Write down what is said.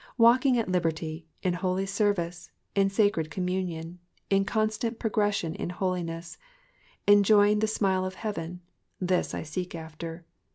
Walking at liberty, in holy service, in sacred com munion, in constant progress in holiness, enjoying the smile of heaven — this I seek after.